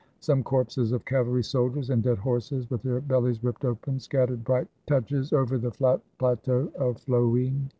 Some corpses of cavalry soldiers, and dead horses with their bellies ripped open, scattered bright touches over the plateau of Floing.